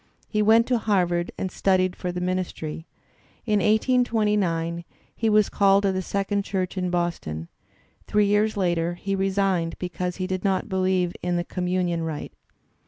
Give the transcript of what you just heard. He went to Harvard and studied for the ministry. In 1829 he was caUed to the Second Church in Boston. Three years later he resigned, because he did not believe in the conmiunion rite.